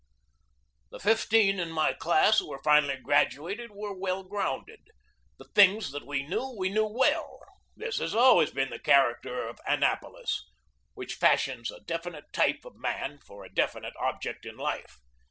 The fifteen in my class who were finally gradu ated were well grounded. The things that we knew we knew well. This has always been the character of Annapolis, which fashions a definite type of man for a definite object in life.